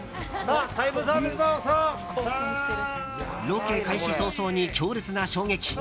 ロケ開始早々に強烈な衝撃。